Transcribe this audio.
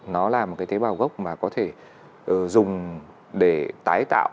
nó là một cái tế bào gốc mà có thể dùng để tái tạo